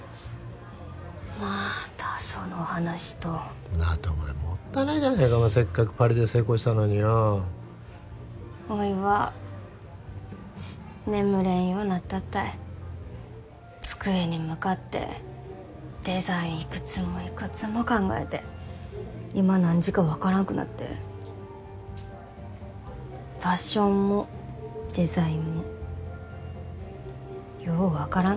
またその話と？だってお前もったいないじゃないかせっかくパリで成功したのによおいは眠れんようになったったい机に向かってデザインいくつもいくつも考えて今何時か分からんくなってファッションもデザインもよう分からん